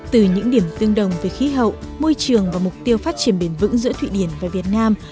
từ những điểm tương đồng về khí hậu môi trường và mục tiêu phát triển bền vững giữa thụy điển và việt nam